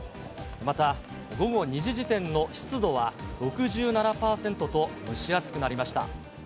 また、午後２時時点の湿度は６７％と、蒸し暑くなりました。